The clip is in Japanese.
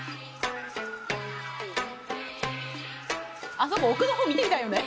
あそこ奥の方見てみたいよね。